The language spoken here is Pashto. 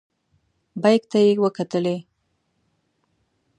بیک ته یې وکتلې.